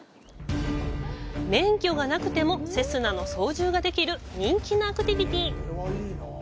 免許がなくてもセスナの操縦ができる人気のアクティビティ。